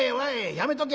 やめとけ！